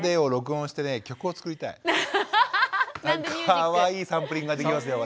かわいいサンプリングができますよ。